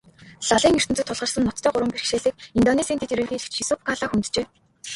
Лалын ертөнцөд тулгарсан ноцтой гурван бэрхшээлийг Индонезийн дэд ерөнхийлөгч Юсуф Калла хөнджээ.